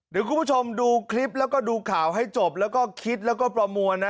เดี๋ยวคุณผู้ชมดูคลิปแล้วก็ดูข่าวให้จบแล้วก็คิดแล้วก็ประมวลนะ